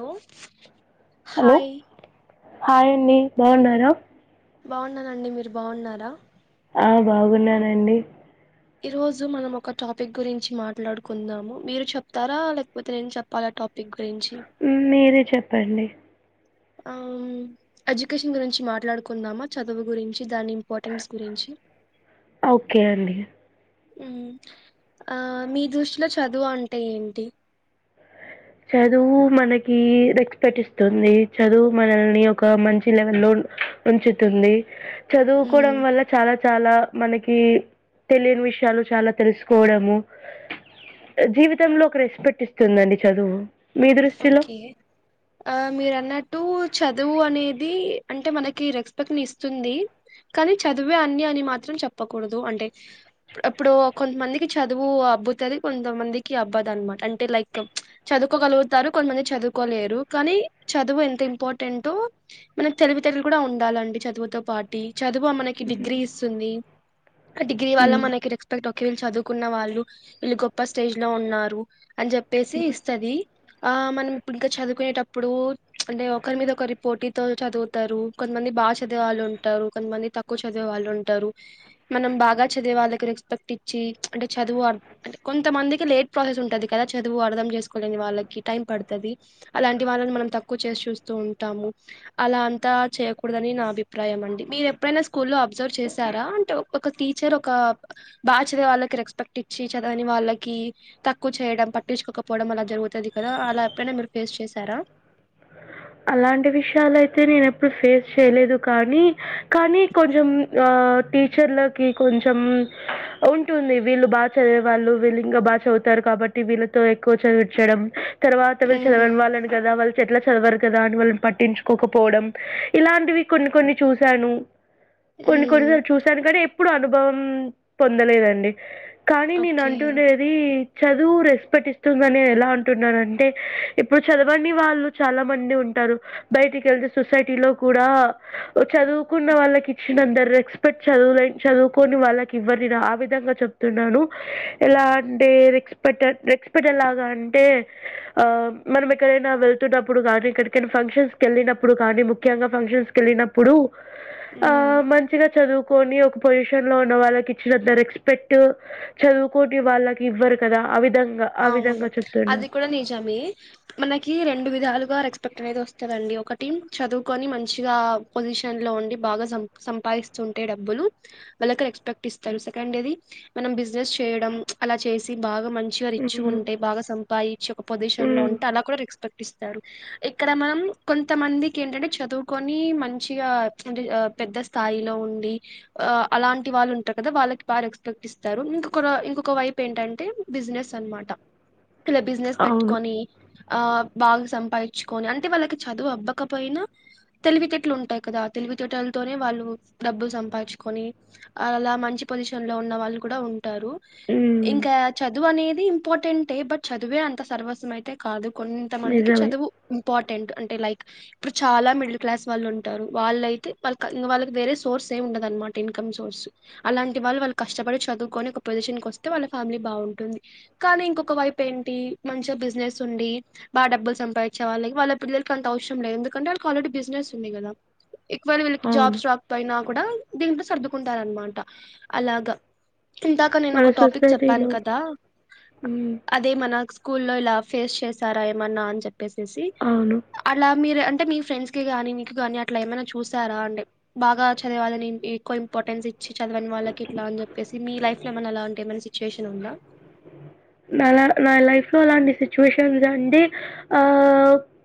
Hello hi హాయండి బావున్నారా బావున్నానండి మీరు బావున్నారా ఆ బాగున్నానండి. ఈ రోజు మనం ఒక టాపిక్ గురించి మాట్లాడుకుందాము మీరు చెప్తారా లేకపోతే నేను చెప్పాలా టాపి పిక్ గురించి మీరే చెప్పండి ఆమ్ ఎడ్యుకేషన్ గురించి మాట్లాడుకుందామా చదువు గురించి దాని ఇంపార్టెన్స్ గురించి ఓకే అండి ఉమ్ ఆ మీ దృష్టిలో చదువు అంటే ఏంటి చదువు మనకి రెక్స్పెట్ ఇస్తుంది చదువు మనల్ని ఒక మంచి లెవెల్ లో ఉంచుతుంది. చదువుకోవడం మ్మ్. వల్ల చాలా చాలా మనకి తెలియని విషయాలు చాలా తెలుసుకోవడము జీవితంలో ఒక రెస్పెక్ట్ ఇస్తుందండి. చదువు మీ దృష్టిలో ఓకే ఆ మీరు అన్నట్టు చదువు అనేది అంటే మనకి రెస్పెక్ట్ ని ఇస్తుంది కానీ చదువే అన్ని అని మాత్రం చెప్పకూడదు అంటే ఇప్పుడు కొంతమందికి చదువు అబ్బుతది కొంతమందికి అబ్బదు అనమాట అంటే లైక్ చదువుకోగలుగు తారు కొంతమంది చదువుకోలేరు కానీ చదువు ఎంత ఇంపార్టెంటో మనకి తెలివితేటలు కూడా ఉండాలండి చదువుతో పాటి చదువు మనకి డిగ్రీ ఇస్తుంది ఆ డిగ్రీ వల్ల ఉమ్ మనకి రెక్స్పెక్ట్ వీళ్ళు చదువుకున్న వాళ్ళు వీళ్ళు గొప్ప స్టేజ్ లో ఉన్నారు అని జెప్పేసి ఉమ్ ఇస్తది ఆ మనం ఇప్పుడు ఇంకా చదువుకునేటప్పుడు అంటే ఒకరి మీద ఒకరి పోటీతో చదువుతారు కొంతమంది బాగా చదివేవాళ్ళు ఉంటారు కొంతమంది తక్కువ చదివే వాళ్ళు ఉంటారు మనం బాగా చదివే వాళ్ళకి రెస్పెక్ట్ ఇచ్చి అంటే చదువు అ అంటే కొంతమందికి లేట్ ప్రాసెస్ ఉంటది కదా చదువు అర్ధం చేసుకోలేని వాళ్ళకి టైం పడుతది అలాంటి వాళ్ళని మనం తక్కువ చేసి చూస్తూ ఉంటాము అలా అంతా చేయకూడదని నా అభిప్రాయం అండి. మీరు ఎప్పుడైనా స్కూల్ లో అబ్సర్వ్ చేసారా అంటే ఒక టీచర్ ఒక బాగా చదివే వాళ్ళకి రెస్పెక్ట్ ఇచ్చి చదవని వాళ్ళకి తక్కువ చేయడం పట్టించుకోకపోవడం అల జరుగుతది. ఆ అలా ఎప్పుడైనా మీరు ఫేస్ చేశారా అలాంటి విషయాలు అయితే నేను ఎప్పుడు ఫేస్ చేయలేదు కానీ కానీ కొంచెం ఆ టీచర్లకి కొంచెం ఉంటుంది వీళ్ళు బాగా చదివేవాళ్ళు వీళ్ళు ఇంకా బాగా చదువుతారు కాబట్టి వీళ్ళతో ఎక్కువ చదివించడం తర్వాత వీళ్ళు ఉమ్ చదవనివాళ్ళు కదా వాళ తో ఎట్లా చద్వరు కదా అని వాళ్ళని పట్టించుకోకపోవడం ఇలాంటివి కొన్ని కొన్ని చూశాను కొన్ని ఉమ్ కొన్నిసార్లు చూసాను కానీ ప్పుడు అనుభవం పొందలేదండి కానీ నేను ఓకే అంటుండేది చదువు రెస్పెక్ట్ ఇస్తుందని ఎలా అంటున్నారు అంటే ఇప్పుడు చదవని వాళ్ళు చాలా మంది ఉంటారు బయటికి వెళ్తే సొసైటీలో కూడా చదువుకున్న వాళ్ళకి ఇచ్చినంత రెస్పెక్ట్ చదువు చదువుకొని వాళ్ళకి ఇవ్వరు నేను ఆ విధంగా చెప్తున్నాను ఎలా అంటే రెస్పెట్ రెస్పెక్ట్ ఎలాగా అంటే మనం ఎక్కడైనా వెళ్తున్నప్పు డు కానీ ఎక్కడికైనా ఫంక్షన్స్ కెళ్ళినప్పుడు కానీ ముఖ్యంగా ఫంక్షన్స్ కెళ్ళినప్పుడు ఆ ఉమ్ మంచిగా చదువు కొని ఒక పొజిషన్ లో ఉన్న వాళ్ళకి ఇచ్చినంత రెస్పెక్ట్ చదువుకోని వాళ్ళకి ఇవ్వరు కదా ఆ విధంగా ఆ అవును విధంగా అది చెప్తున్నాను. కూడా నిజమే మనకి రెండు విధాలుగా రెస్ అనేది వస్తుందిండి ఒకటి చదువుకని మంచిగా పొజిషన్ లో ఉండి బాగా సంపాదిస్తుంటే డబ్బులు వాళ్ళకీ రెస్పెక్ట్ ఇస్తారు సెకండ్ ది మనం బిజినెస్ చేయడం అలా చేసి బాగా మంచిగా వచ్చి హ్మ్. ఉంటే బాగా సంపయించి ఒక పొజిషన్ లో హ్మ్. ఉంటే అలా కూడా రెస్పెక్ట్ ఇస్తారు ఇక్కడ మనం కొంతమందికి ఏంటంటే చదువుకొని మంచిగా అంటే పెద్ద స్థాయిలో ఉండి అలాంటి వాళ్ళు ఉంటారు కదా వాళ్ళకి బాగా రెస్పెక్ట్ ఇస్తారు ఇంకొక ఇంకొక వైపు ఏంటంటే బిజినెస్ సన్మాట ఇలా బిజినెస్ అవును. పెట్టుకొని ఆ బాగా సంపాదించుకొని అంటే వాళ్ళకి చదువు అబ్బాకపోయినా తెలివితేట్లు ఉంటాయి కదా తెలివితేటలతోనే వాళ్ళు డబ్బులు సంపాదించుకొని అలా మంచి పొజిషన్ లో ఉన్న వాళ్ళు కూడా ఉ ఉంటారు హ్మ్. ఇంకా చదువు అనేది ది ఇంపార్టెంటే బట్ చదివే అంత సర్వస్వం అయితే కాదు కొంత మందికి నిజమే. చదువు ఇంపార్టెంట్ అంటే లైక్ ఇప్పుడు చాలా మిడిల్ క్లాస్ వాళ్ళు ఉంటారు వాళ్ళయితే వాళ్ళ వాళ్ళకి వేరే సోర్స్ ఏ ఉండదనమాట ఇన్కమ్ సోర్స్ అలాంటి వాళ్ళు వాళ్ళకి కష్టపడి చదువుకొని ఒక పొజిషన్ కి వస్తే వాళ్ళ ఫ్యామిలీ బాగుంటుంది కానీ ఇంకొక వైపు ఏంటి మంచిగా బిజినెస్ ఉండి బా డబ్బులు సంపాదించే వాళ్ళ వాళ్ళ పిల్లలకి అంత అవసరం లేదు ఎందుకంటే వాళ్ళకి ఆల్రెడీ బిజినెస్ ఉంది కదా ఒకవేళ వీళ్ళకి అవును. జాబ్స్ రాకపోయినా కూడా దీంట్లో సర్దుకుంటారు అనమాట అలాగా ఇందాక నేను మన ఒక టాపిక్ చెప్పాను సొసైటీలో కదా హ్మ్. అదే మన స్కూలో ఇలా ఫేస్ చేసారా ఏమన్నా అని చెప్పి పేసేసి అవును. అలా మీరు అంటే మీ ఫ్రెండ్స్ కి కానీ మీకు ని అట్లా ఏమైనా చూసారా అంటే బాగా చదివాలని ఎక్కువ ఇంపార్టెన్స్ ఇచ్చి చదవని వాళ్ళకి ఇట్లా అని చెప్పేసి మీ లైఫ్ లో ఏమై అ ఏమైనా సిచ్యువేషన్ ఉందా నాలా నా లైఫ్ లో అలాంటి సిచ్యువేషన్స్ అండి ఆ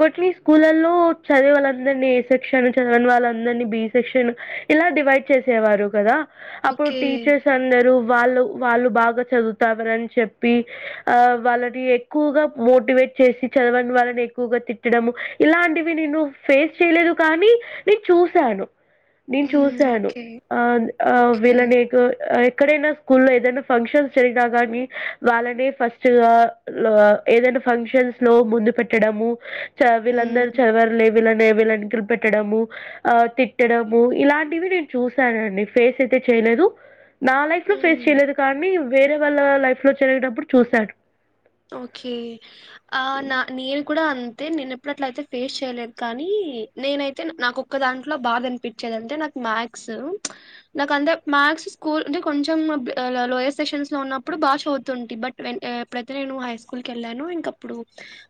కొన్ని స్కూల్ లల్లో చదివే వాళ్ళందరిని ఏ సెక్షన్ చదనని వాళ్ళందరిని బి సెక్షన్ ఇలా డివైడ్ చేసేవారు కదా అప్పుడు ఓకే టీచర్స్ అందరూ వాళ్ళు వాళ్ళు బాగా చదువుతవారని చెప్ప చెప్పి ఆ వాళ్ళని ఎక్కువగా మోటివేట్ చేసి చదవని వాళ్ళని ఎక్కువగా తిట్టడం ఇలాంటివి నేను ఫేస్ చేయలేదు కానీ నేను చూశాను నేను ఉమ్, చూసాను ఓకే ఆ ఆ ఓకే వీళ్ళనీ ఏ ఎక్కడైనా స్కూల్లో ఏదైనా ఫంక్షన్స్ జరిగినా కానీ వాళ్ళనే ఫస్ట్ గా ఏదైనా ఫంక్షన్స్ లో ముందు పెట్టడము వీళ్ళ అందరూ ఉమ్, చదవరులే వీళ్ళనే వీళ్ళని పెట్టడము ఆ తిట్టడము ఇలాంటివి నేను చూసానండి ఫేస్ అయితే చేయలేదు నా లైఫ్ లో ఫేస్ ఉమ్, చేయలేదు కానీ వేరే వాళ్ళ లైఫ్ లో జరిగినప్పుడు చూశాడు ఓకే ఆ నా నేల్ కూడా అంతే నేను ఎప్పుడు అట్లా అయితే ఫేస్ చేయలేదు కానీ నేనైతే నాకు ఒక్క దాంట్లో బాధ అనిపించేది అంటే నాకు మ్యాథ్స్ నాకు అంతే మ్యాథ్స్ స్కూల్ అంటే కొంచెం లోయర్ సెషన్స్ లో ఉన్నప్పుడు బాగా చదువుతుంటి బట్ వే అయితే నేను హై స్కూల్ కి వెళ్ళాను ఇంకప్పుడు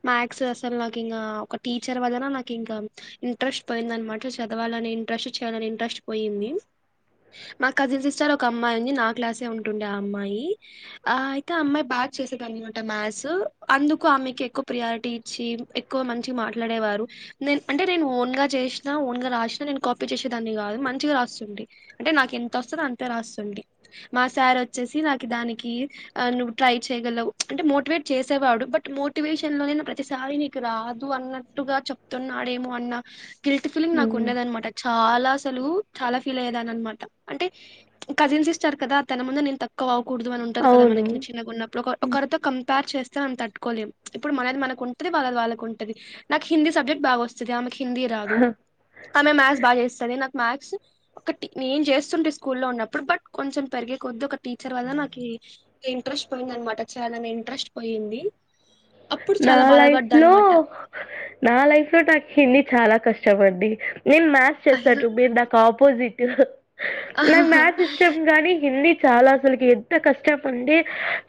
మాథ్స్ అసలు నాకు ఇంకా ఒక టీచర్ వలన నాకు ఇంకా ఇంట్రెస్ట్ పోయింది అనమాట చదవాలని ఇంట్రెస్ట్ చేయాలని ఇంట్రెస్ట్ పోయింది మా కజిన్ సిస్టర్ ఒక అమ్మాయి ఉంది నా క్లాసే ఉంటుండే ఆ అమ్మాయి ఆ అయితే ఆ అమ్మాయి బాగా చేసేది అనమాట మ్యాథ్స్ అందుకు ఆమెకి ఎక్కువ ప్రియారిటీ ఇచ్చి ఎక్కువ మంచి మాట్లాడేవారు నే అంటే నేను ఓన్గా చేసిన ఓన్గా రాసిన నేను కాపీ చేసేదాన్ని కాదు మంచిగా రాస్తుంటి అంటే నాకు ఎంత వస్తుందో అంతే రాస్తుంటి మా సార్ వచ్చేసి నాకు దానికి నువ్వు ట్రై చేయగలవు అంటే మోటివేట్ చేసేవాడు బట్ మోటివేషన్ లోనైనా ప్రతిసారి నీకు రాదు అన్నట్టుగా చెప్తున్నాడేమో అన్న గిల్ట్ ఫీలింగ్ నాకు హ్మ్. ఉండేదనమాట చాలా అసలు చాలా ఫీల్ అయ్యేదాని అనమాట అంటే కజిన్ సిస్టర్ కదా తన ముందు నేను తక్కువ అవ్వకూడదు అని ఉంటది కదా అవును. మనకి చిన్నగున్నప్పుడు ఒక కంపేర్ చేస్తే మనం తట్టుకోలేం ఇప్పుడు మనది మనకు ఉంటది వాళ్ళది వాళ్ళకు ఉంటది నాకు హిందీ సబ్జెక్ట్ బాగోస్తది ఆమెకి హిందీ రాదు హ్మ్. ఆమె మ్యాథ్స్ బాగా చేస్తది నాకు మ్యాథ్స్ ఒకటి నేను చేస్తుంటి స్కూల్ లో ఉన్నప్పుడు బట్ కొంచెం పెరిగే కొద్ది ఒక టీచర్ వల్ల నాకు ఇక ఇంట్రెస్ట్ పోయిందనమాట చేయాలని ఇంట్రెస్ట్ పోయింది అప్పుడు నా చాలా లైఫ్ బాధపడ్డా లో అనమాట నా లైఫ్ లో నాకు హిందీ చాలా కష్టం కష్టం అండి నేను మ్యాథ్స్ చేస్తా అయ్యో టూ మీరు నాకు ఆపోజిట్ యహ్ నాకు మ్యాథ్స్ ఇష్టం కానీ హిందీ చాలా అసలుకి ఎంత కష్టం అంటే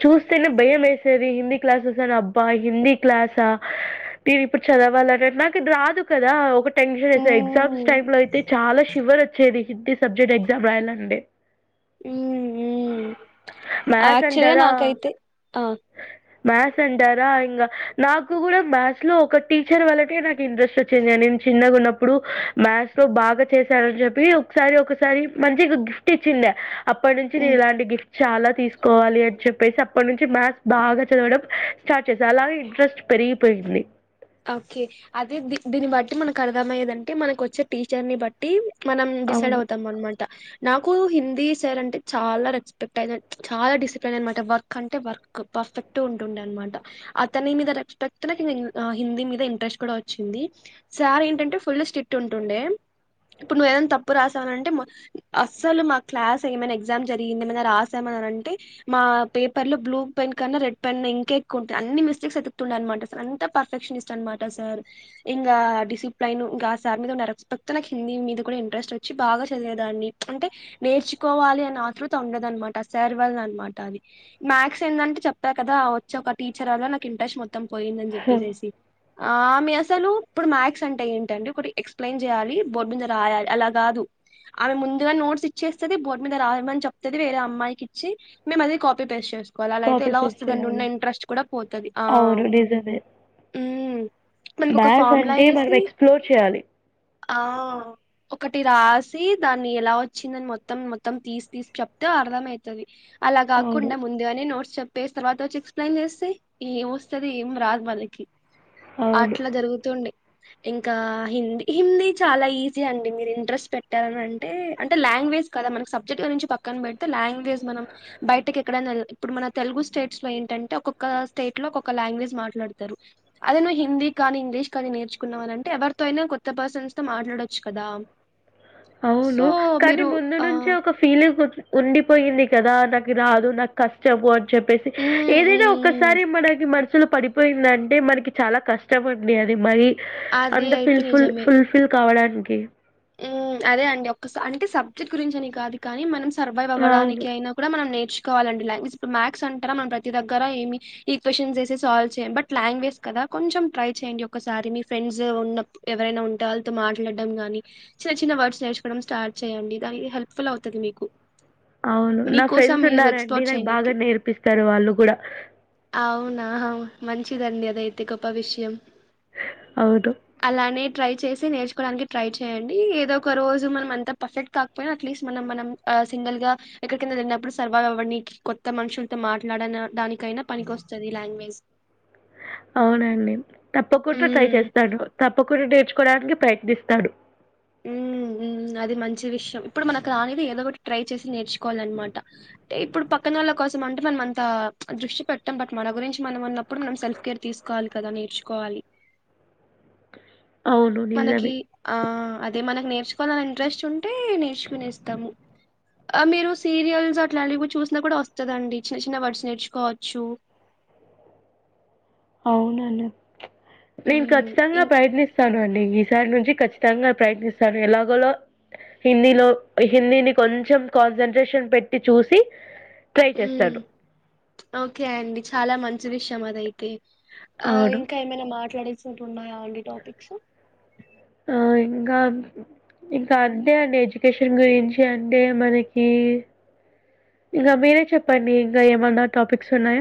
చూస్తేనే భయం వేసేది హిందీ క్లాసెస్ అ బ్బా హిందీ క్లాసా నేను ఇప్పుడు చదవాలనే నాకు రాదు కదా ఒక టెన్షన్ అసలు ఎగ్జామ్స్ మ్మ్ టైమ్ లో అయితే చాలా షివర్ వచ్చేది హిందీ సబ్జెక్ట్ ఎగ్జామ్ రాయలండి ఊ ఊ మ్యాథ్స్ యాక్చువల్ గా అంటారా? నాకైతే అ మ్యాథ్స్ అంటారా ఇంగ నాకు కూడా మ్యాథ్స్ లో ఒక టీచర్ వళ్లకే నాకు ఇంట్రెస్ట్ వచ్చింది నేను చిన్నగున్నప్పుడు మ్యాథ్స్ లో బాగా చేశానని చెప్పి ఒకసారి ఒకసారి మంచిగా గిఫ్ట్ ఇచ్చిండే అప్పటి నుంచి మ్మ్ నేను ఇలాంటి గిఫ్ట్ చాలా తీసుకోవాలి అని చెప్పేసి అప్పటి నుంచి మ్యాథ్స్ బాగా చదవడం స్టార్ట్ చేశా అలాగా ఇంట్రెస్ట్ పెరిగిపోయింది ఓకే అదే ది దీన్ని బట్టి మనకు అర్థమయ్యేదంటే మనకు వచ్చే టీచర్ ని బట్టి మనం డిసైడ్ అవును. అవుతాం అనమాట నాకు హిందీ సార్ అంటే చాలా రెస్పెక్ట్ ఆయన చాలా డిసిప్లిన్ అనమాట వర్క్ అంటే వర్క్ పర్ఫెక్ట్ ఉంటుండే అనమాట అతని మీద రెస్పెక్ట్ నాకు హిందీ మీద ఇంట్రెస్ట్ కూడా వచ్చింది సార్ ఏంటంటే ఫుల్ స్ట్రిక్ట్ ఉంటుండే ఇప్పుడు నువ్వేదన్న తప్పు రాసావని అంటే అస్సలు మా క్లాస్ ఏమైనా ఎగ్జామ్ జరిగింది ఏమైనా రాసామనని అంటే మా పేపర్లో బ్లూ పెన్ కన్నా రెడ్ పెన్ ఇంక ఎక్కువ ఉంటుంది అన్ని మిస్టేక్స్ ఎతుకుతుండే అన్నమాట అసలు అంత పర్ఫెక్షనిస్ట్ అనమాట సార్ ఇంగా డిసిప్లన్ ఇంగా ఆ సార్ మీద ఉన్న రెస్పెక్ట్ తో నాకు హిందీ మీద కూడా ఇంట్రెస్ట్ వచ్చి బాగా చదివేదాన్ని అంటే నేర్చుకోవాలి అనే ఆత్రుత ఉండదనమాట సార్ వాళ్ళ అనమాట అది మ్యాథ్స్ ఏంటంటే చెప్పా కదా వచ్చే ఒక టీచర్ వల్ల నాకు ఇంట్రెస్ట్ మొత్తం పోయింది హ్మ్. తప్పుజేసి ఆమె అసలు ఇప్పుడు మ్యాథ్స్ అంటే ఏంటండి ఒక ఎక్స్ప్లెయిన్ చేయాలి బోర్డు మీద రాయాలి అలా కాదు ఆమె ముందుగా నోట్స్ ఇచ్చేస్తది బోర్డు మీద రాయమని చెప్తది వేరే అమ్మాయికి ఇచ్చి మేము అది కాపీ పేస్ట్ చేస్తాం అలా అయితే కాపీ ఎలా పేస్ట్ వస్తదండి ఉన్న చేయాలి. ఇంట్రెస్ట్ కూడా పోతది ఆ అవును నిజమే. ఉమ్ మనకు ఒక మ్యాథ్స్ ఫార్ములా అంటే మనం ఏసి ఎక్స్ప్లోర్ చేయాలి ఆ ఒకటి రాసి దాన్ని ఎలా వచ్చిందని మొత్తం మొత్తం తీసి తీసి చెప్తే అర్ధం అయితది అలా అవును. కాకుండా ముందుగానే నోట్స్ చెప్పేసి తర్వాత వచ్చి ఎక్స్ప్లెయిన్ చేస్తే ఏం వస్తది ఏం రాదు మళ్ళీ ఒకే అవును. అట్లా జరుగుతుండే ఇంకా హిందీ హిందీ చాలా ఈజీ అండి మీరు ఇంట్రెస్ట్ పెట్టారని అంటే అంటే లాంగ్వేజ్ కదా మనకి సబ్జెక్ట్ గురించి పక్కన పెడితే లాంగ్వేజ్ మనం బయటకి ఎక్కడైనా ఇప్పుడు మన తెలుగు స్టేట్స్ లో ఏంటంటే ఒక్కొక్క స్టేట్ లో ఒక్కొక్క లాంగ్వేజ్ మాట్లాడుతు తారు అదే నువ్వు హిందీ కానీ ఇంగ్లీష్ కానీ నేర్చుకున్నావనింటే ఎవరితో అయినా కొత్త పర్సన్స్ తో మాట్లాడొచ్చు కదా సో అవును కానీ మీరు ముందు ఆ నుంచి ఒక ఫీలింగ్ ఉండిపోయింది కదా నాకు రాదు నాకు కష్టం అని చెప్పేసి ఉమ్ ఏదైనా ఉమ్ ఒక్కసారి మనకి మన అసలు పడిపోయిందంటే మనకి చాలా కష్టం అండి అది మరి అది అంత అయితే ఫిల్ ఫుల్ నిజమే ఫుల్ఫిల్ కావడానికి ఇంకేమి అదే అండి ఒస అంటే సబ్జెక్ట్ గురించి అని కాదు కానీ మనం సర్వైవ్ అవును. అవ్వడానికి అయినా కూడా మనం నే చచ్చుకోవాలండి లాంగ్వేజ్ ఇప్పుడు మాథ్స్ అంటార మన ప్రతిగ్గర ఏమి ఈ క్వ్చన్స్ వేసి సాల్వ్ చేయండి బట్ లాంగ్వేజ్ కదా కొంచెం ట్రై చేయండి ఒక్కసారి మీ ఫ్రెండ్స్ ఉన్న ఎవరైనా ఉంటే వాళ్ళతో మాట్లాడడంగాని చిన్న చిన్న వర్డ్స్ నేర్చుకోవడం స్టార్ట్ చెయ్యండి దానికి హెల్ప్ ఫుల్ అవుతది మీకు అవును నా మీకోసం ఫ్రెండ్స్ మీరు ఉన్నారండి ఎక్స్‌ప్లోర్ నాకు బాగా చేయనీకి. నేర్పిస్తారు వాళ్ళు కూడా అవునా! మంచిదండి అదైతే గొప్ప విషయం అవును అలానే ట్రై చేసి నేర్చకోడానికి ట్రై చే చేయండి ఏదో ఒక రోజు మనం ఎంతా పర్ఫెక్ట్ కాకపోయినా అట్లీస్ట్ మనం మనం సింగిల్ గా ఎక్కడికైనా వెళ్ళినప్పుడు సర్వైవ్ అవ్వడానికి కొత్త మనుషులతో మాట్లాడన దానికైనా పనికి వస్తుంది ఈ లాంగ్వేజ్ అవునండి. హ్మ్. ఒకరు నేర్చుకోవడానికి ప్రయత్నిస్తాడు మ్ మ్ అది మంచి విషయం ఇప్పుడు మనకు రానిది ఏదో ఒకటి ట్రై చేసి నేర్చు కోవాలన్నమాట ఇప్పుడు పక్కన ఒళ్ళ కోసం అంటే మనం అంత దృష్టి పెట్టాం బట్ మన గురించి మనం ఉన్నప్పుడు మనం సెల్ఫ్ కేర్ తీసుకోవాలి కదా నేర్చుకోవాలి అవును. మనకి నిజమే. ఆ అదే మనకు నేర్చుకోవాలని ఇంట్రెస్ట్ ఉంటే నేర్చుకునేస్తాము మీరు సీరియల్స్ అట్లాంటివి చూసినా కూడా వస్తుందండి చిన్న చిన్న వర్డ్స్ నేర్చుకోవచ్చు అవున అండి నేను హ్మ్ కఖచ్చితంగా ఇం ప్రయత్నిస్తాను అండి నేను ఈసారి నుంచి ఖచ్చితంగా ప్రయత్నిస్తాను ఎలాగో హిందీలో హిందీని కొంచెం కాన్సన్ట్రేషన్ పెట్టి చూసి ట్రై హు చేస్తాను. ఓకే అండి చాలా మంచి విషయం అది అయితే ఆ అవును. ఇంకా ఏమైనా మాట్లాడేసినట్టున్నాయా అండి టాపిక్స్ ఆ! ఇంకా ఇంకా అంతే అండి ఎడ్యుకేషన్ గురించి అంటే మనకి ఇంకా మీరే చెప్పండి ఇంకా ఏమన్నా టాపిక్స్ ఉన్నాయ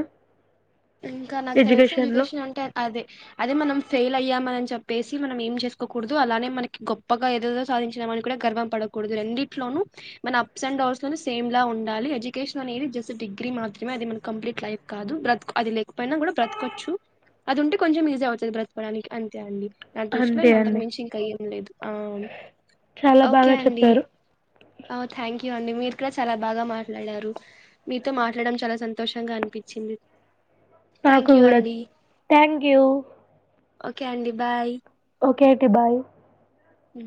ఇంకా నాకు తెలిసి ఎడ్యుకేషన్ అంటే అదే అదే మనం ఫెయిల్ అయ్యాం అని చెప్పేసి మనం ఏం చేసుకోకూడదు అలానే మనకి గొప్పగా ఏదేదో సాధించా అని కూడా గర్వం పడకూడదు రెంట్లోనూ మన అప్స్ అండ్ డౌన్స్ లో సేమ్ లా ఉండాలి ఎడ్యుకేషన్ అనేది జస్ట్ డిగ్రీ మాత్రమే అది మన కంప్లీట్ లైఫ్ కాదు బ్ర అది లేకపోయినా కూడా బ్రతకవచ్చు అది ఉంటే కొంచెం ఈజీ అవుతుంది బ్రతకడానికి అంతే అండి నా దృష్టిలో అంతే ఇంగ అంతకు అండి. మించి ఇంకా ఏం లేదు ఆ చాలా ఓకే బాగా అండి చెప్పారు. ఆ థ్యాంక్ యూ థాంక్యూ అండిమీరు కూడా చాలా బాగా మాట్లాడారు మీతో మాట్లాడడం చాలా సంతోషంగా అనిపించింది నాకు థ్యాంక్ యూ కూడా అండి థ్యాంక్ యూ ఓకే అండి బాయ్ ఓకే ఆటి బాయ్ హు